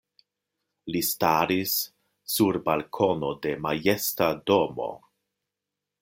Li staris sur balkono de majesta domo.